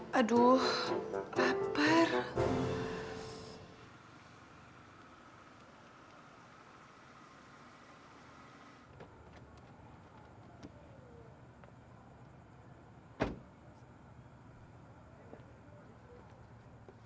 hitung hitung aja vitamin